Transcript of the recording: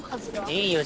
いいよ